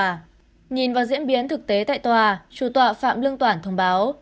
nhìn vào diễn biến thực tế tại tòa chủ tọa phạm lương toản thông báo